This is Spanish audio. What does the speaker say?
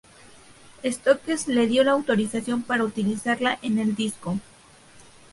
Stokes le dio la autorización para utilizarla en el disco.